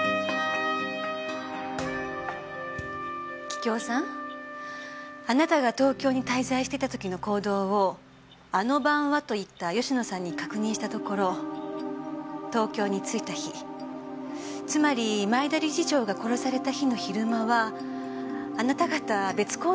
桔梗さんあなたが東京に滞在してた時の行動を「あの晩は」と言った吉乃さんに確認したところ東京に着いた日つまり前田理事長が殺された日の昼間はあなた方別行動をとっていた。